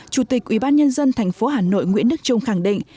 chủ tịch ủy ban nhân dân thành phố hà nội nguyễn đức trung khẳng định